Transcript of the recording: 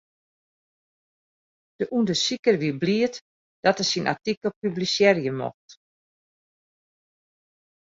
De ûndersiker wie bliid dat er syn artikel publisearje mocht.